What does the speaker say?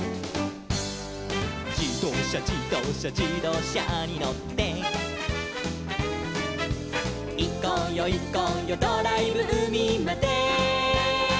「じどうしゃじどうしゃじどうしゃにのって」「いこうよいこうよドライブうみまで」